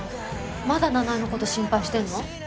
まだ奈々江の事心配してるの？